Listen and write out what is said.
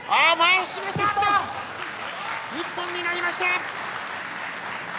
一本になりました！